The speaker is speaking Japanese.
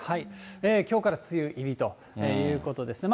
きょうから梅雨入りということですね。